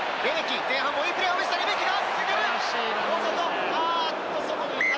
前半もいいプレーを見せたレメキが。